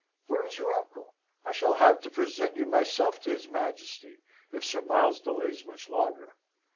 Where is your uncle? I shall have to present you myself to his Majesty if Sir Miles delays much longer."